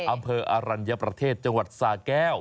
อำเภออรัญญประเทศจังหวัดสาแก้ว